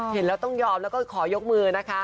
เห็นแล้วต้องยอมแล้วก็ขอยกมือนะคะ